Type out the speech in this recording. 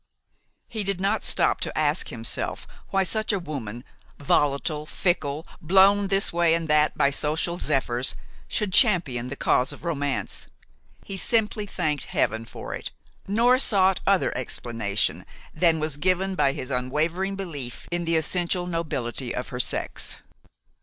He did not stop to ask himself why such a woman, volatile, fickle, blown this way and that by social zephyrs, should champion the cause of romance. He simply thanked Heaven for it, nor sought other explanation than was given by his unwavering belief in the essential nobility of her sex.